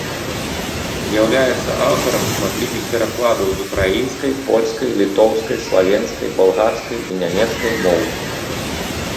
З'яўляецца аўтарам шматлікіх перакладаў з украінскай, польскай, літоўскай, славенскай, балгарскай і нямецкай моў.